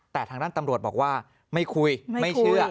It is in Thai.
แต่ทางด้านตำรวจบอกว่าไม่คุยไม่เชื่อ